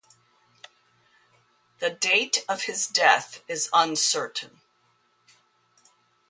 The date of his death is uncertain.